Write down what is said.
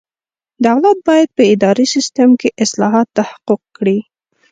دولت باید په اداري سیسټم کې اصلاحات تحقق کړي.